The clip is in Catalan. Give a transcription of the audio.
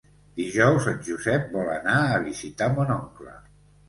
Dijous en Josep vol anar a visitar mon oncle.